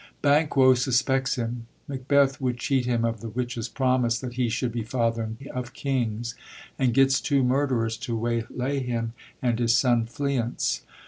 Banquo suspects him. Macbeth would cheat him of the witches' promise that he should be father of kings, and gets two murderers to waylay him and his son Fleance.